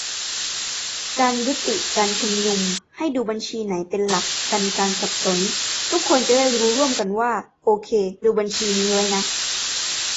การยุติการชุมนุม ให้ดูบัญชีไหนเป็นหลัก กันการสับสน - ทุกคนจะได้รู้ร่วมกันว่า โอเค ดูบัญชีนี้ไว้นะ